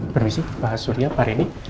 permisi pak surya parini